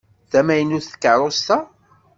D tamaynut tkeṛṛust-a?